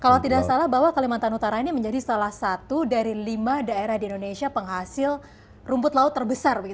kalau tidak salah bahwa kalimantan utara ini menjadi salah satu dari lima daerah di indonesia penghasil rumput laut terbesar